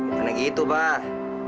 gak ada gitu pak